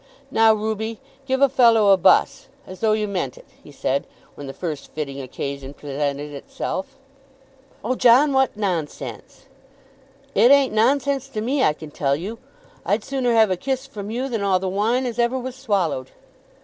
"Now, Ruby, give a fellow a buss, as though you meant it," he said, when the first fitting occasion presented itself. "Oh, John, what nonsense!" "It ain't nonsense to me, I can tell you. I'd sooner have a kiss from you than all the wine as ever was swallowed."